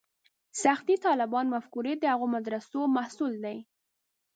سختې طالباني مفکورې د هغو مدرسو محصول دي.